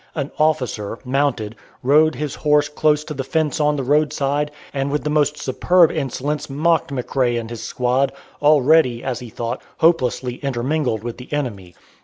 An officer, mounted, rode his horse close to the fence on the roadside, and with the most superb insolence mocked McRae and his squad, already, as he thought, hopelessly intermingled with the enemy.